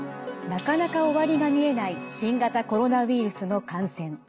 なかなか終わりが見えない新型コロナウイルスの感染。